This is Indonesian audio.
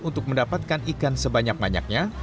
untuk mendapatkan ikan sebanyak banyaknya